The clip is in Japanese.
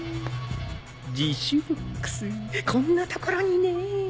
自首ボックスこんな所にねぇ。